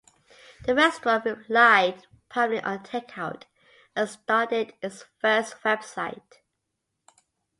The restaurant relied primarily on takeout and started its first website.